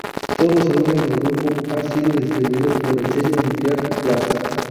Todos los álbumes del grupo han sido distribuidos por el sello Nuclear Blast.